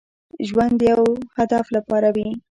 ژوند د يو هدف لپاره وي.